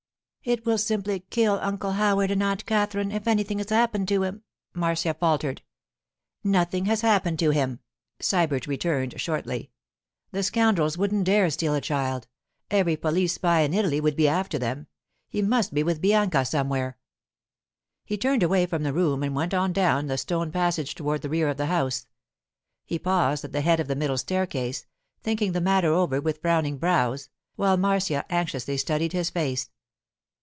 'It will simply kill Uncle Howard and Aunt Katherina if anything has happened to him,' Marcia faltered. 'Nothing has happened to him,' Sybert returned shortly. 'The scoundrels wouldn't dare steal a child. Every police spy in Italy would be after them. He must be with Bianca somewhere.' He turned away from the room and went on down the stone passage toward the rear of the house. He paused at the head of the middle staircase, thinking the matter over with frowning brows, while Marcia anxiously studied his face.